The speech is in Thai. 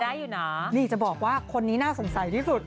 อยู่นะนี่จะบอกว่าคนนี้น่าสงสัยที่สุด